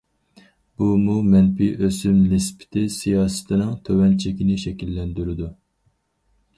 بۇمۇ مەنپىي ئۆسۈم نىسبىتى سىياسىتىنىڭ تۆۋەن چېكىنى شەكىللەندۈرىدۇ.